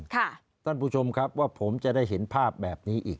ท่านผู้ชมครับว่าผมจะได้เห็นภาพแบบนี้อีก